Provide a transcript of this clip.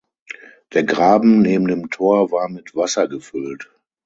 Der Graben neben dem Tor war mit Wasser gefüllt.